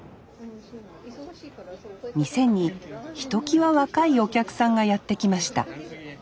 店にひときわ若いお客さんがやって来ました。